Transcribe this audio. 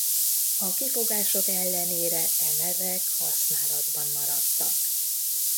A kifogások ellenére e nevek használatban maradtak.